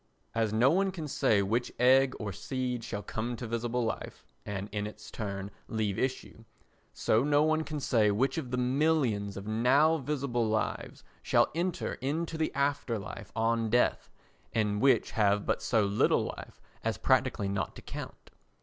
As no one can say which egg or seed shall come to visible life and in its turn leave issue, so no one can say which of the millions of now visible lives shall enter into the afterlife on death, and which have but so little life as practically not to count.